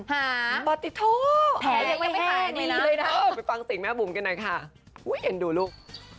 หาแผลยังไม่แห้งเลยนะไปฟังสิ่งแม่บุ๋มกันด้วยค่ะอุ๊ยเห็นดูลูก